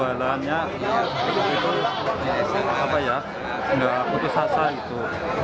apa ya tidak putus asa itu